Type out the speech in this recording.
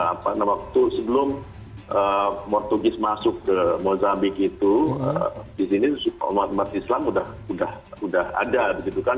apa waktu sebelum portugis masuk ke mozambik itu disini umat islam udah udah udah ada begitu kan